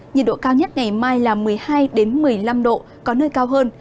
nhiệt độ cao nhất ngày mai là một mươi hai một mươi năm độ có nơi cao hơn